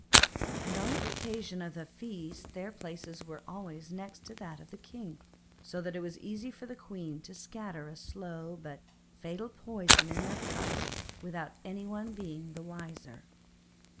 And on the occasion of a feast their places were always next that of the king, so it was easy for the queen to scatter a slow but fatal poison in their cups without anyone being the wiser.